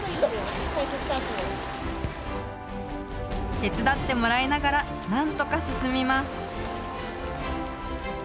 手伝ってもらいながら、なんとか進みます。